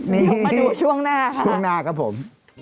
นี่มาดูช่วงหน้าค่ะช่วงหน้าครับผม